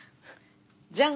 じゃん！